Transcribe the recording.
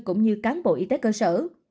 cũng như cán bộ y tế cơ sở